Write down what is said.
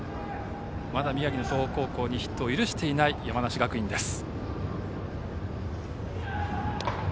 まだ宮城の東北高校にヒットを許していない山梨学院です。